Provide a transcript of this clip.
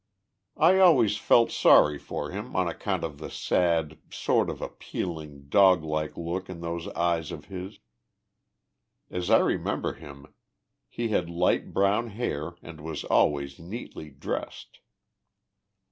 I always felt sorry for him on account of the sad, sort of appealing, do~ hke look in those eyes of his. As I remember him, he had light brown hair, and was always neatly dressed."